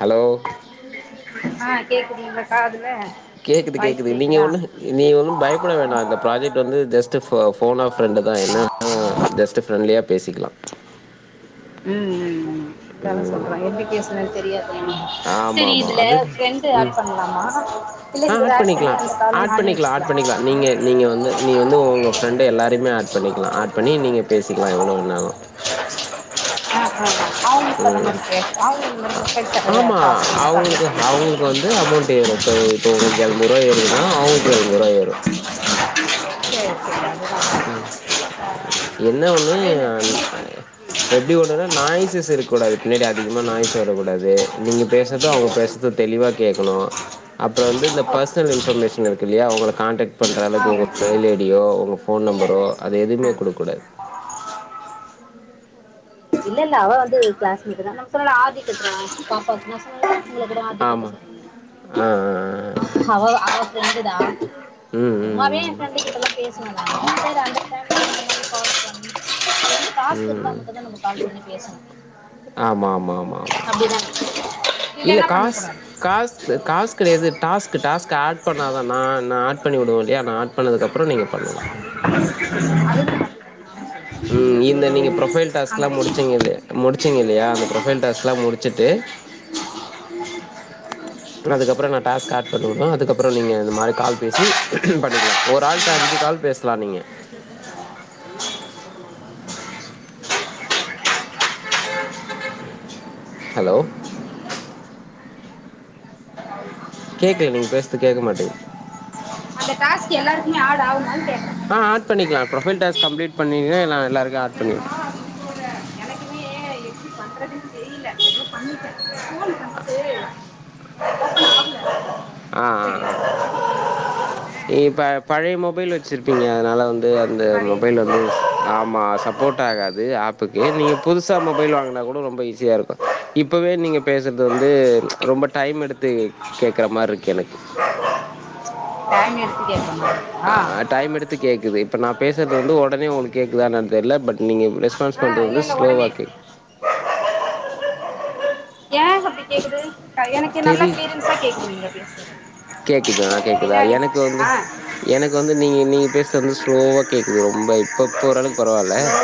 Hello ஆ கேக்குது உங்க காதுல கேக்குது வாய்ஸ் கேக்குது நீங்க கேக்குதா ஒன்னு நீ ஒன்னு பயப்பட வேண்டா இந்த ப்ராஜெக்ட் வந்து ஜெஸ்ட் போன ஃபிரண்டு தா ஏன்னா ஜெஸ்ட் ஃப்ரெண்ட்லியா பேசிக்கலா உம் உம் இருந்தாலு ம் சொல்றே எப்படி பேசுறதுன்னு தெரியாது எனக்கு. ஆமா செரி ஆமா இதுல அது ஃப்ரெண்டு ஆட் உம் பண்லாமா இல்ல ஆ இவர ஆட் பண்ணி பண்ணிக்கலா அந்த காலு ஆட் நானே பண்ணிக்கலா ஆட் வச்சுக்கலாமா பண்ணிக்கலா நீங்க நீங்க வந்து நீ வந்து உங்க ஃப்ரெண்ட்டு எல்லாருமே ஆட் பண்ணிக்கலா ஆட் பண்ணி நீங்க பேசிக்கலா எவ்ளோ வேனாலு [unintelligible] அவுங்க கதம்படிக்கே அவுங்க ஆமா அவுங்களுக்கு அவுங்களுக்கு வந்து அமௌண்ட் ஏறு இப்போ இப்போ உங்களுக்கு எழுநூரூவா ஏறுதுன்னா அவுங்களுக்கு எழுநூரூவா ஏறும் செரி செரி உம் என்ன ஒண்ணு அதே நா ந் அ ஃப்ரெண்டுக்கு எப்டி ஒன்னுனா நாய்சஸ் இருக்கூடாது பின்னாடி அதிகமா நாய்ஸ் வரக்கூடாது நீங்க பேசது ஓகே அவுங்க பேசது தெளிவா கேட்கணு அப்புறோ வந்து இந்த ஓகே ஓகே பர்சனல் இன்பர்மேஷன் இருக்கு இல்லையா அவுங்க கான்டக்ட் பண்ற ஆ அளக்கு உங்க ஓகேங்க மெயில் ஐடியோ உங்க ஃபோன் இல்ல நம்பரோ இல்ல அது எதுவுமே ஆ குடுக்கூடாது இல்ல இல்ல அவ வந்து கிளாஸ் மெட்டு தா நம்ம சொன்னன்ன ஆதிக்கட்டு பாப்பா நா சொல்ல ஆமா அ அ அவ அவ ஃபிரண்டு தா சும்மாவே என் ம் ஃபிரண்டு கிட்டலா பேசு [unintelligible] டாஸ்க் ம் இருந்தா ம் மட்டுதா நம்ம கால் பண்ண பேசுவோ ஆமா ஆமா ஆமா ஆமா இல்ல இல்லன்னா காசு பண்ணக்கூடாது காச காசு கெடையாது டாஸ் டாஸ்க் ஆட் பண்ணாதான் நா-நா ஆட் பண்ணி உடுவோ இல்லையா நா ஆட் பண்ணதுக்க அப்புறே நீங்க பண்ணலா அதுதா உம் இந்த நீங்க ப்ரொஃபைல் அந்த டாஸ்கெல்லா முடிச்சுங்ல்லையா முடிச்சிங் இல்லையா அந்த ப்ரொபைல் டாஸ்கெல்லா முடிச்சுட்டு ஆனா அதுக்கப்புறே நா டாஸ்க்கு ஆட் பருரா அதுக்கப்புறோ நீ இந்த மாரி கால் பேசி பண்ணிக்கலா ஒரு ஆல்ட்ட அஞ்சு கால் பேசலா நீங்க ஹலோ கேக்கல நீங்க பேசுறது கேட்க மாட்டுது அந்த டாஸ்க் எல்லாருக்குமே ஆட் ஆவுமான்னு கேட் அ ஆட் பண்ணிக்கலா ப்ரோஃபைல் டாஸ்க் கம்ப்ளீட் பண்ணீன்னா எல்லாருக்கு ஆர்ட் பண்ணிர்வே எனக்குமே எப்படி பண்றதுன்னு தெரியல எவளோ பண்ணிட்டே ஃபோன் ஃபஸ்ட்டு ஓபன் ஆகல [unintelligible] ம்ட்டு அங்க [unintelligible] நீ இப்ப பழைய மொபைல் வச்சிருப்பீங்க அதனால வந் அது அந்த சரி மொபைல் வந்து ஆமா சப்போர்ட் ஆகாது ஆப் போ கே நீங்கள் புதுசா மொபைல் வாங்கினா கூட ரொம்ப ஈஸியா இருக்கு இப்பவே நீங்க பேசுறது வந்து ரொம்ப டைம் எடுத்து கேக்குற மாரி இருக்கு எனக் டைம் எடுத்து கேக்கற மாரி அ டைம் எடுத்து கேட்குது இப்போ நா பேசுறது வந்து உடனே உங்களுக்கு கேடக்குதுதா என்னனு தெரியல பட் நீங்க ரெஸ்பான்ஸ் ஆ பண்ணுறது இல்ல வந்து இல்ல ஸ்லோவா உடனே கேக் ஏ ஹப்பி கேக்குது அ எனக்கு நல்லா தெரி கீளியரன்ஸ் ஆ கேக்குதுங்க கேட்குதா [unintelligible] கேட்குதா பின்னாடி எனக்கு வந்து அ எனக்கு வந்து நீங்கள் நீங்கள் பேசுகிறது வந்து ஸ்லோவாக கேட்குது ரொம்ப இப்போ இப்போ ஓரளவுக்கு பரவாயில்ல ஹலோ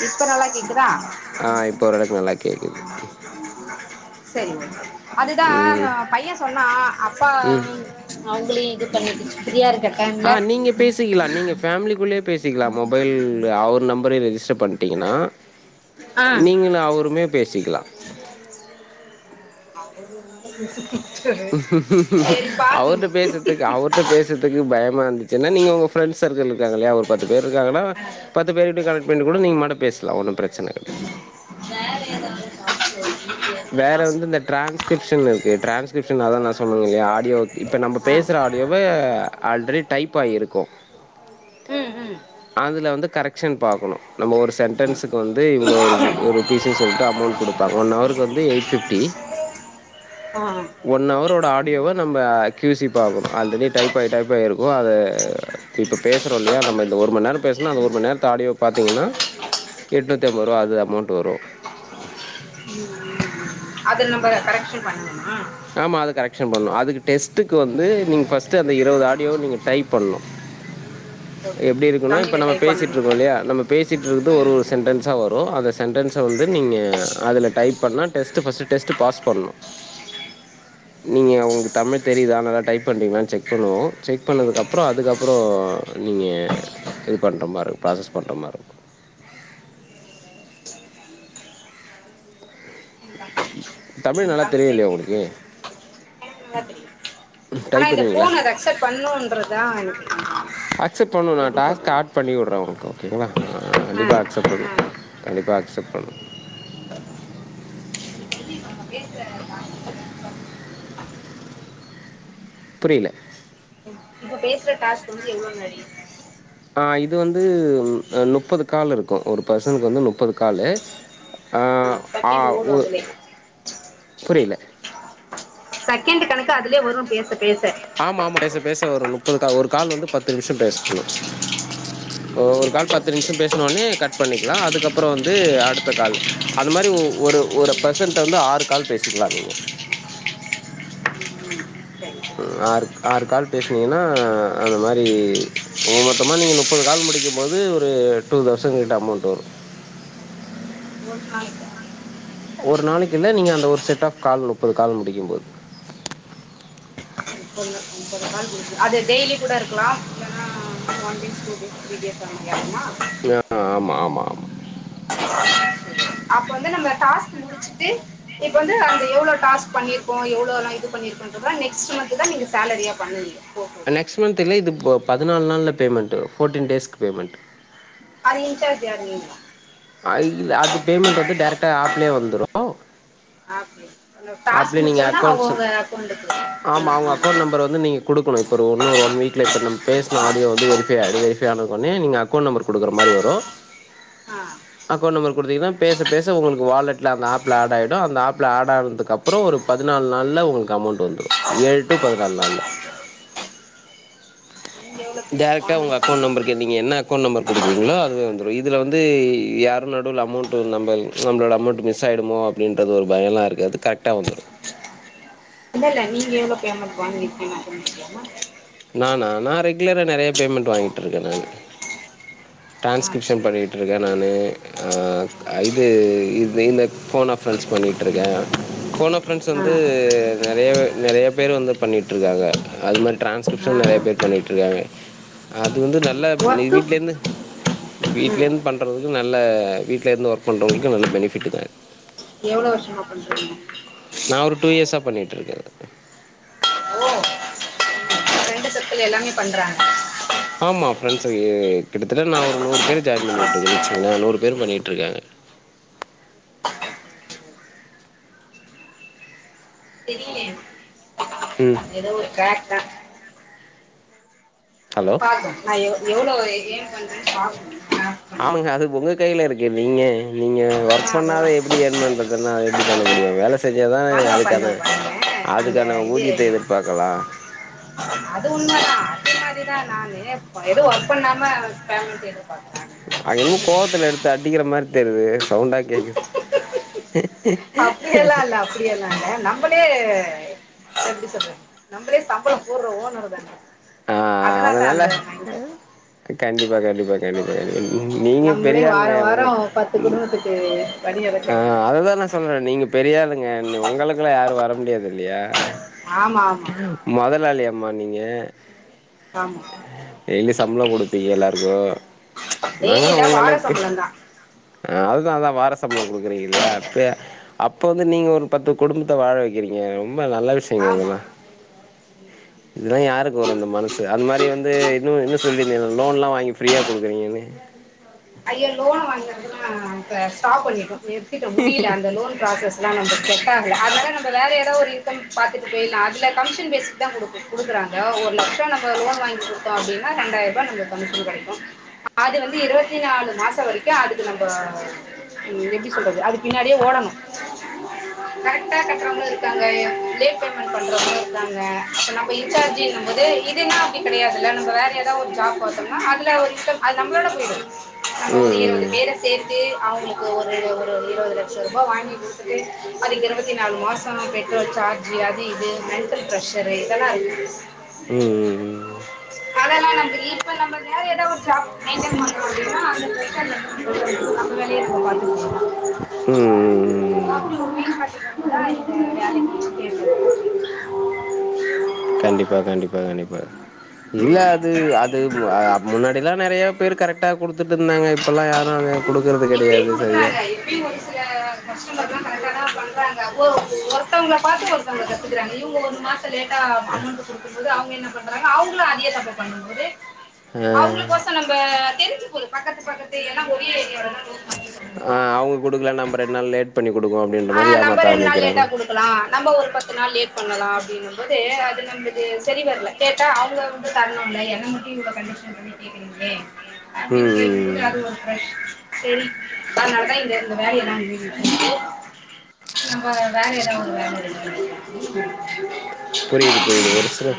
[unintelligible] இப்ப நல்லா கே இத ஆஹ் இப்ப ஓரளவுக்கு நல்லா கேக் செரிங்க அதுதா ம் பைய சொன்னா அப்பா ம் அவங்களையு இது பண்ணி ஃபிரிய இருக் ஆஹ் நீங்க பேசிக்கலா நீங்க ஃபேமிலிக்குள்ளயே பேசிக்கலா மொபைல் அவர் நம்பரையு ரிஜிஸ் ஸ்டர் பண்ணிட்டிங்கன்னா ஆ நீங்கள அவருமே பேசிக்கலா [inaudible] சரி பாக்குங்க அவ்ர்ட பேசறதுக்கு அவ்ர்ட பேசறதுக்கு பயமா இருந்துச்சுன்னா நீங்க உங்க ஃப்ண்ட்ஸ் இருக்காங்களல்லாய ஒரு பத்து பேர் இருக்காங்கன்னா பத்து பேர்கிட்டயு கலெக்ட் இவின்ட்ட கூட நீங்கள் மட்ட பேசலா ஒன்னு பிரச்சனை கிடையது வேற ஏதாவது காச்ச வேற வந்து இந்த டிரான்ஸ்கிரிப்ஷன்ல இருக்கு டிரான்ஸ்கிரிப்ஷன் அத நா சொனனங்க இல்லையா ஆடியோ இப்ப நம்ம ஏதாவது பேசுற ஆ ஆடியோவை ஆல்ரெடி டைப் ஆயிருக்கும்ோ ம் ம் அதில வந்து கரெக்ஷன் பாக்கணு நம்ம ஒரு சென்டன்ஸுக்கு வந்து இவ்ளோ ரு ரூபீஸ்ன்னு சொல்லட்டு அமோன்ட் குடுப்பா ஒன் ஹவர் க்கு வந்து எயிட் ஃப்ஃபிட்டி ஆ ஒன் ஹவரோட ஆ டியோவ நம்ம கியூ சி பாக்கணு ஆல்ரெடி டைப் ஆயி டைப் ஆயி இருக்கு அத இப்ப பேசுறோ இல்லையா நம்ம ஒரு மணி நேரோ பேசனா அந்த ஒரு மணி நேரத்து ஆடியோ பாத்தீங்கன்னா எட்நூத்தி அம்பது ரூவா அது அமௌண்ட் வரு அது நம்ம கரெக்ஷன் பண்ணணுமா ஆமா அத கரெக்ஷன் பண்ணு அதுக்கு டெஸ்ட்டுக்கு வந்து நீங்க ஃபர்ஸ்ட் அந்த இருவது ஆடியோ நீங்க டைப் பண்ணணு ஓகே எப்டி இருக்குனா இப்ப தமிழ்ல நம்ம டைப் பேசிட்டு பண்ணணு இருக்கோ இல்லையா நம்ம பேசிட்டு இருக்குது ஒரு ம் ஒரு சென்டன்ஸா வரு அத சென்டன்ஸை வந்து நீங்க அதில டைப் பண்ணா டெஸ்ட்டு ஃபர்ஸ்ட்டு டெஸ்ட்டு பாஸ் பண்ணோ நீங்க உங்களுக்கு தமிழ் தெரியுதானா டைப் பண்றீங்களான்னு செக் பண்ணுவோம் செக் பண்ணதுக்கப்புறம் அதுக்கப்பறம் நீங்க இது பண்றா மாரி இருக்கும் ப்ராசஸ் பண்றா மாரி இருக்கோ [unintelligible] தமிழ் நீங்க நல்லா தெரியு இல்லையா டைப் உங்குளுக்கு எனக்கு நல்லா தெரியு ம் ஆனா இந்த ஃபோன் அதை அக்செப்ட் பண்ணுன்றதுதான் எனக்கு அக்செப்ட் பண்ணும் நான் எப்டி டாஸ்க் சொல்றது ஆட் பண்ணி விடுறேன் உனக்கு கேங்களா அ ஆ கண்டிப்பா அக்செப்பட் பண்ணு ஆ கண்டிப்பா அக் அக்செப்ட் பண்ணு இப்ப வந்து இப்ப நம்ம பேசுற டாஸ்க் வந்து பத்து நிமிஷம் புரியல இப்ப பேசுற டாஸ்க் வந்து எவ்ளோ நாழி ஆ இது வந்து அ நுப்பது கால் இருக்கும் ஒரு பர்சனுக்கு வந்து நுப்பது காலு ஆ ஆ செகண்ட் ஓடும் உர் அதுலே புரியல சக்கெண்ட்டு கணக் கு அதுலே வரு பேச பேச ஆமா, ஆமா. பேச, பேச ஒரு முப்பது ஒரு கால் வந்து பத்து நிமிஷோ பேசணு ம் ம் ஒரு கால் ம் பத்து நிமிஷோ பேசனோனே கட் பண்ணிக்கலா அதுக்கப்றோ வந்து அடுத்த கால் அது மாரி ஒரு ஒரு பெர்சன்ட் வந்து ஆறு கால் பேசிக்கலா நீங்க ம் சரி சரி ம் ஆறு ஆறு கால் பேசனீங்கன்னா அந்த மாரி உங்க மொத்தமாக நீங்க முப்பது கால் முடிக்கும் போது ஒரு டூ தௌசண்ட் கிட்ட அமௌண்ட் வரு ஒரு நாளைக்கா ஒரு நாளைக்கு இல்ல நீங்க அந்த ஒரு செட் ஆப் கால் முப்பது கால் முடிக்கும்போது முப்பது முப்பது கால் அது டெய்லி கூட இருக்கலாம் இல்ன்னா one days two days three days வாண்டியா அங்களா யா ஆமா ஆமா ஆமா அப்ப வந்து நம்ம டாஸ்க் முடிச்சுட்டு இப்ப வந்து அந்த எவ்வளோ டாஸ் பண்ணிருக்கோ எவ்ளோலா இது பண்ணிருக்கோன்ற நெக்ஸ்ட் மந்த் தா நீங்க சேலரியா பண்ணுவீங்க போட்டுருவீங்க நெக்ஸ்ட் மந்த் இல்ல இது இப்போ பதினாலு நாள்ல் பேமெண்ட்டு ஃபோர்டீன் டேஸ்கு பேமெண்ட்டு [unintelligible] ஆ இல்ல அது பேமெண்ட்டு வந்து டைரெக்ட்டா அப்லே வந்துரு அப்படி டாஸ்க் அப்டி நீங்க முடிச்சோன்னா அக்கௌண்ட் அவங்கவுங்க அக்கௌண்ட்டுக்கு ஆ ஆமா அவங்க அக்கௌண்ட் நம்பர் வந்து நீங்க குடுக்கணு இப்ப இன்னு ஒரு ஒன் வீக்ல இப்ப பேசின ஆடியோ வந்து வெரிஃபை ஆயிடு வெரிஃபை ஆனது உடனே நீங்க அக்கௌண்ட் நம்பர் குடுக்குற மாரி வரு ஆ ஆ அக்கௌண்ட் நம்பர் குடுத்தீங்கன்னா பேச பேச உங்களுக்கு வாலெட்ல அந்த அப்ல அட் ஆய்டு அந்த அப்ல அட் ஆனதுக்குக்கப் அப்றோ ஒரு பதுனாலு நாள்ல உங்களுக்கு அமௌண்ட் வந்துரு ஏழு டூ பதுனாலு நாள்ல நீங்கள் எவ்வளோ பே டரெக்ட்டா ஒங்க அக்கௌன்ட் வாங்கியிருக்கீங்க நம்பர்க்கே நீங்க என்ன அக்கௌன்ட் நம்பர் குடுக்குறீங்களோ அதுவே வந்துரு இதுல வந்து யாரு நடுவுல அமௌண்ட்டு நம்ம நம்மளோட அமௌண்ட் மிஸ் ஆய்டுமோ அப்டின்றது ஒரு பயோலா இருக்காது கர் ட்டா வந்துரு இல்ல இல்ல நீங்க எவ்வளோ பேமெண்ட் வாங்கி இருக்கீங்கன் தெரிஞ்சிக்கலாமா நாண்ணா நா ரெகுலராக நெறைய பேமெண்ட் வாங்கிட்ருக்க நானு ஆ ட்ரன்ஸ்கிரிப்ஷன் சரி பண்ணிட்ருக்க நானு ஆ இது இ இந்த ஃபோன் அஃப் பரன்ஸ் பண்ணிட்ருக்க ஃபோன் அ ஃப்ரென்ஸ் ஆ வந்து நெறைய நெறைய பேர் வந்து பண்ணிட்ருக்காங்க அது மாரி ட்ரான்ஸ் க்ரிப்ஷன் நெறைய ஆ பேர் பண்ணிட்ருக்காங்க அ இது வந்து நல்ல நீ ஒர்க்கு வீட்லே இருந்து ம் வீட்லேந்து பண்றதுந்து நல்ல வீட்லே இருந்து வர்க் பண்றவங்களுக்கு நல்ல பெனிஃபிட்டுதா எவ்ளோ வர்ஷமா பன்றீங்க நா ஒரு டூ இயஸ்ஸா பண்ணிட்ருக்கே சக்கல் எல்லாமே பண்றாங்க ஆமா ஃப்ரெண்ஸ் சவியே கிட்டத்தட்ட நா ஒரு நூறு பேர் ஜாய்ன் பண்ணி வுட்ருக்கே நிச்சுமினே நூறு பேரும் பண்ணிட்ருக்காங்க தெரியலையே ம் ஏதோ ஒரு கிரக்தா ஹலோ பாக்க நா யேவ் எவ்ளோவூ ஏ [unintelligible] பண்ணி கைல இருக்கு நீங்க நீங்க ஒர்க் பண்ணாத அதெல்லாம் எப்டி ஏன் பண்றதுன்னா எப்டி பண்ண முடியு வேலஸ் பாலோ பண்ண பண்ண அந்த அதுக்கான இது ஊதியத்த எதிர்பாக்கலாம். அது உண்மதா அதே மாரிதா நானு இப்போ எது ஒர்க் பண்ணாம பேமினிசேர் அ இன்னு கோவத்தல எடுத் அடிக்கிற மாரி தெரிது சவுண்டா கேக்குது அப்படி எல்லா இல்ல அப்படி எல்லா இல்ல நம்மளே எப்டி சொல்லுறது நம்மளே சம்பள போடுற ஓனர் தான ஆ அதனால அ கண்டிப்பா கண்டிப்பா கண்டிப்பா கண்டிப்பா நீங்க நம்மளே வார பெரியாளுங்க உங்க வாரம் பத்து குடும்பத்துக்கு வழி இறக்குறோங்க அதுதா சொல்ற நீங்க பெரியாலுங்க நீ உங்கலக்லா யாரு வர முடியாது இல்லயா ஆமா ஆமா முதலாளி அம்மா நீங்க ஆமா டெய்லி சம்பளோ குடுப்பீக எல்லாருக்கோ டெய்லி நாங்களா இல்ல உங்க வார அளவுக் சம்பளம் தான் அ அதுதா அதா வார சம்பளம் குடுக்குறீங்க இல்லயா பே அப்போ வந்து நீங்க ஒரு பத்து குடும்பத்த வாழ வைக்கிறீங்க ம் ரொம்ப நல்ல விஷ்யங்க ஆமா இதெல்லா இதுலா யாருக் ஒரு அந்த மனசு அது மாரி வந்து இன்னு இன்னு சொல்லியிருந்தேனோ லோனலா வாங்கி ஃப்ரீய குடுக்குறிங்யன்ன ஐயா லோன் வாங்கறதுன்னா இப்ப ஸ்டாப் பண்ணிட்டோ நிருத்திடோ முடியல அந்த லோன் ப்ராசஸ்லா நம்பத் செட்டாகல அதனால நம்ம வேற ஏதாவது ஒரு இன்கம் பாத்துட்டு பேய்லா அதுல கமிஷன் பேசிக்தா குடுக்குறாங்க ஒரு லட்ச நம்ம லோன் வாங்கி கொடுத்தா அப்டின்னா ரெண்டாயிர ரூபா நம்மளுக்கு வந்து கமிஷன் கிடைக்கு அது வந்து இருவத் பதினாலு மாச வரைக்கு அதுக்கு நம்போ ம் எப்டி சொல்றது அதுக்கு பின்னாடியே ஓடணு கரெக்டா கட்டுறவங்களு இருக்காங்க லேட் பேமெண்ட் பண்றவங்களு இருக்காங்க அப்ப நம்ம இன்சார்ஜின்னு போதே இது நா கிடையாதுல்ல நம்ப வேற ஏதாவது ஒரு ஜாப் பார்த்தோம்னா அதுல ஒரு இன்ட அது நம்ளோட போயிடும் நம்ம ஒரு ம் இருபது பேர ம் சேர்த்து அவங்க ஒரு ஒரு இருபது லட்சம் ரூபாய் வாங்கி கொடுத்துட்டு அதுக்கு இருபத்தி நாலு மாசம் பெட்ரோல் சார்ஜ் அது இது மென்டல் பிரஷர் இதெல்லாம் இருக்கு ம் ம் ம் அதெல்லா நமக்கு இப்ப நம்ம வேற ஏதாவது ஒரு ஜாப் மெயின் டன் பண்லா [unintelligible] [unintelligible] பார்த்துக்கங்க [unintelligible] ம் ம் ம் ம் ம் [unintelligible] கண்டிப்பா கண்டிப்பா கண்டிப்பா இல்ல அது அது முன்னாடி எல்லாம் நிறைய பேர் கரெக்டா கொடுத்து கொடுத்துட்டு இருந்தாங்க இப்பல்லாம் யாரும் அத கொடுக்குறது கிடையாது இப்பயும் சரியா கொடுக்குறாங்க அக்கானா பண்றாங்க ஒருத்தவங்கள பார்த்து ஒருத்தவங்க கத்துக்கறாங்க இவங்க ஒண்ண மா [unintelligible] லேட்டா அமௌண்ட் கொடுக்கும்போது அவங்க என்ன பண்றாங்க அவங்களும் அதே தப்ப பண்ணும் போது ஆ அவங்களுக்கோசம் நம்ப தெரிஞ்சு பக்கத்து பக்கத்து எல்லான் ஒரே ஏரியாலதான் ஆஹ் அவுங்க குடுக்கல நம்ம ரெண்டு நாள் லேட் பண்ணி கொடுக்கோம் அப்படின்ற ஆ மாரி நம்ம ஏமாத்த ரெண்டு நாள் ஆரம்பிக்கிறாங்க ங்களாம் அப்படின்னும் போது அது நம்பளுக்கு சரி வரல கேட்டா அவங்க வந்து தரணும்ல என்ன மட்டும் இவங்க கண்டிஷன் பண்ணி கேக்குறீங்களே அப்டின்னு ம் ம் கேக்கும்போது ம். அது ஒரு ப்ரஷ் சரி அதனாலதான் இங்க இந்த வேலையெல்லாம் நம்ம வேலதான் ஒரு வேலை இருக்கு புரியுது புரியுது ஒரு சில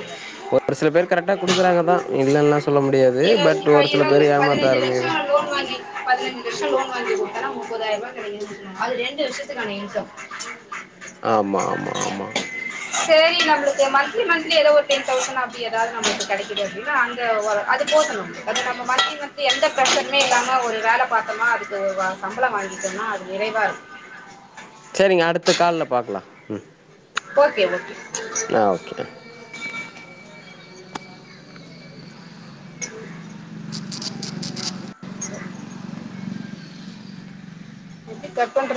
ஒரு சில பேர் கரெக்டா குடுக்குறாங்க தான் இல்லன்லா சொல்ல முடியாது பட் ஒரு சில பேர் ஏமா பதினைந்து லட்சம் லோன் வாங்கி பதினைந்து லட்சம் லோன் வாங்கி முப்பதாயிரம் ரூபா கிடைக்குது அது ரெண்டு வருஷத்துக்கான இன்கம் ஆமாம் ஆமாம் ஆமாம் சரி நம்மளுக்கு மந்த்லி மந்த்லி ஏதோ ஒரு டென் தௌசண்ட் அப்டி ஏதாவது நமளுக்கு கிடைக்குது அப்படின்னா அங்க அது போதும் அது நம்ம மந்த்லி மந்த்லி எந்த பிர்ஷருமே இல்லாம ஒரு வேல பார்த்தோமா அதுக்கு சம்பளம் வாங்கிக்கும்னா அது நிறைவா இருக்கும் சரிங்க அடுத்த கால்ல பாக்கலா உம் ஓகே ஓகே ஆ ஓகே [inaudible] ச [inaudible] எப்டி கட் பண்றது